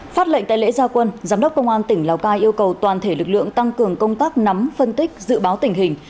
phát lệnh tại lễ gia quân giám đốc công an tỉnh lào cai yêu cầu toàn thể lực lượng tăng cường công tác nắm phân tích dự báo tình hình